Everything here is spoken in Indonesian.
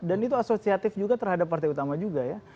dan itu asosiatif juga terhadap partai utama juga ya